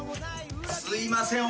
すいません。